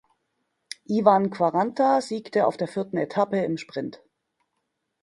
Ivan Quaranta siegte auf der vierten Etappe im Sprint.